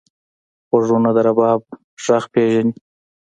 غوږونه د رباب غږ پېژني